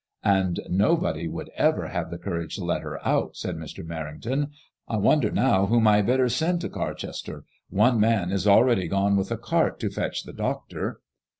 *^ And nobody would ever have the courage to let her out," said Mr. Merrington. " I wonder now whom I had better send to Car chester. One man is already gone with the cart to fetch the doctor."